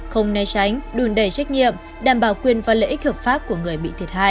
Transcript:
không né tránh đùn đầy trách nhiệm đảm bảo quyền và lợi ích hợp pháp của người bị thiệt hại